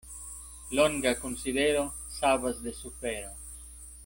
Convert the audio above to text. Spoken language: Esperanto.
Longa konsidero savas de sufero.